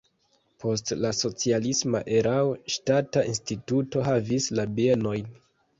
Post la socialisma erao ŝtata instituto havis la bienojn.